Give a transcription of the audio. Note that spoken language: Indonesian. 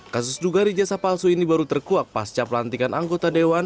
kasus dugaan ijazah palsu ini baru terkuak pasca pelantikan anggota dewan